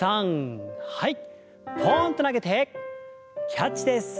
ポンと投げてキャッチです。